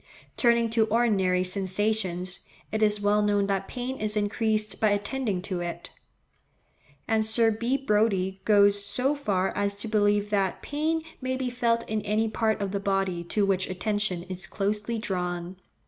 Turning to ordinary sensations, it is well known that pain is increased by attending to it; and Sir B. Brodie goes so far as to believe that pain may be felt in any part of the body to which attention is closely drawn.